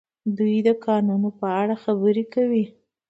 دوی د کانونو په اړه خبرې کوي.